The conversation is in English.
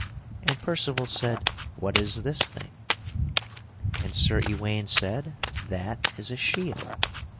And Percival said, "What is this thing?" And Sir Ewaine said, "That is a shield."